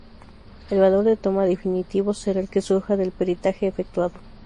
El valor de toma definitivo será el que surja del peritaje efectuado.